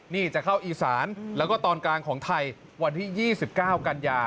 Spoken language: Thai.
นี่จะเข้าอีสานแล้วก็ตอนกลางของไทยวันที่๒๙กันยา